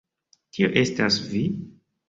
Tio estas vi?